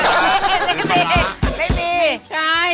เป็นที่บัญชัย